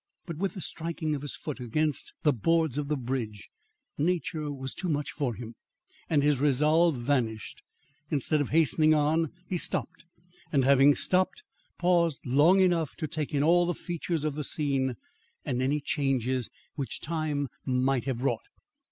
But with the striking of his foot against the boards of the bridge, nature was too much for him, and his resolve vanished. Instead of hastening on, he stopped; and, having stopped, paused long enough to take in all the features of the scene, and any changes which time might have wrought.